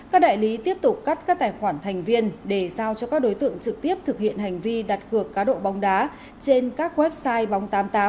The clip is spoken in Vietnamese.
các đại lý tiếp tục cắt các tài khoản thành viên để giao cho các đối tượng trực tiếp thực hiện hành vi đặt cược cá độ bóng đá trên các website bóng tám mươi tám